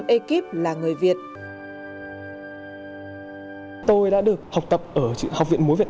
ekip là người việt